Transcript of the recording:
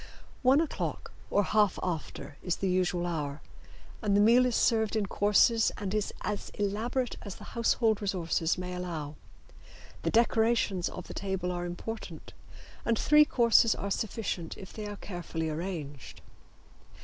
One o'clock or half after is the usual hour, and the meal is served in courses and is as elaborate as the household resources may allow. The decorations of the table are important, and three courses are sufficient if they are carefully arranged.